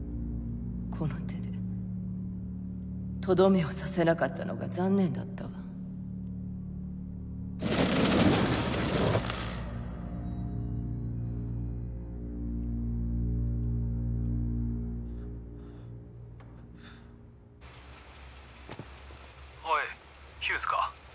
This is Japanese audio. この手でとどめを刺せなかったのが残念だったわ☎おいヒューズか？